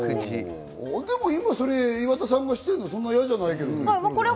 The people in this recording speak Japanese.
でも今、それ岩田さんがしてるの、そんな嫌じゃないけどね。